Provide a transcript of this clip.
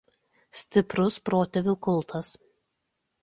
Stiprus protėvių kultas.